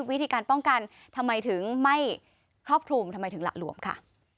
วิธีการป้องกันทำไมถึงไม่ครอบคลุมทำไมถึงหละหลวมค่ะ